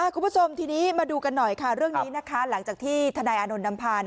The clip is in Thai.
คุณผู้ชมทีนี้มาดูกันหน่อยค่ะเรื่องนี้นะคะหลังจากที่ทนายอานนท์นำพา